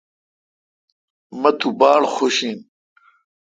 مہ تو باڑ خوش این۔